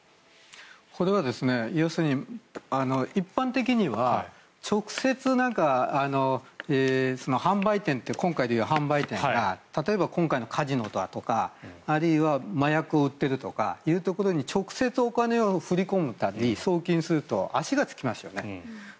これは要するに一般的には、直接、販売店って今回でいう販売店例えば今回でいうカジノとかあるいは麻薬を売ってるとかそういうところに直接お金を振り込んだり送金すると足がつきますよね。